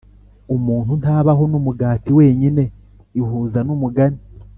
umuntu ntabaho numugati wenyine ihuza numugani